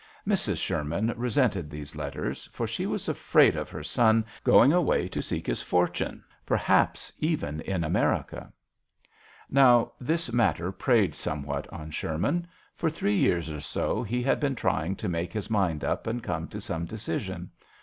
Mrs. Sherman resented these letters, for she was afraid of her son going away to seek his for tune perhaps even in America. 24 JOHN SHERMAN. Now this matter preyed some what on Sherman. For three years or so he had been trying to make his mind up and come to some decision.